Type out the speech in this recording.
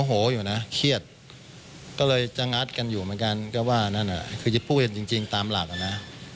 โหอยู่นะเครียดก็เลยจะงัดกันอยู่เหมือนกันก็ว่านั่นคือจะพูดกันจริงตามหลักอ่ะนะ